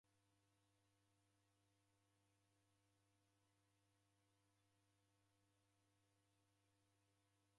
W'ana wikacha kufuma skulu kuw'ineke machi wioghe.